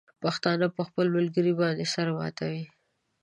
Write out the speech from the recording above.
پښتانه په خپل ملګري باندې سر ماتوي.